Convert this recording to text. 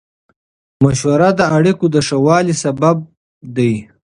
مشوره د اړیکو د ښه والي سبب دی.